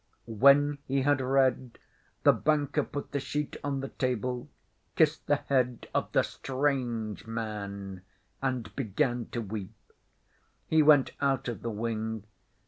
When he had read, the banker put the sheet on the table, kissed the head of the strange man, and began to weep. He went out of the wing.